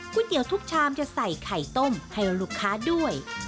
เตี๋ยวทุกชามจะใส่ไข่ต้มให้ลูกค้าด้วย